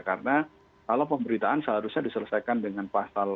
karena kalau pemberitaan seharusnya diselesaikan dengan pasal